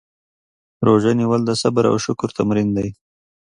روژه نیول د صبر او شکر تمرین دی.